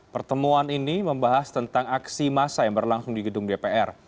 pertemuan ini membahas tentang aksi massa yang berlangsung di gedung dpr